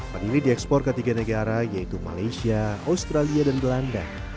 pendiri diekspor ke tiga negara yaitu malaysia australia dan belanda